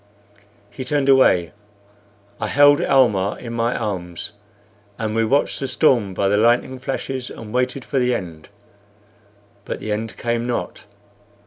He turned away. I held Almah in my arms, and we watched the storm by the lightning flashes and waited for the end. But the end came not.